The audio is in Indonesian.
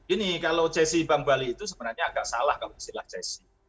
ini kalau csi bank bali itu sebenarnya agak salah kalau misalnya csi